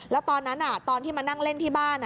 แล้วตอนนั้นตอนที่มานั่งเล่นที่บ้าน